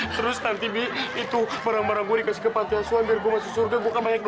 terus nanti itu perang perang gue dikasih ke pantai suami gua masuk surga bukan banyak